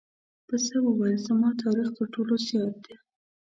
پسه وویل زما تاریخ تر ټولو زیات دی.